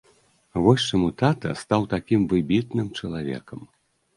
Вось чаму тата стаў такім выбітным чалавекам.